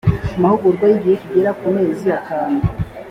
amahugurwa y igihe kigera ku mezi atatu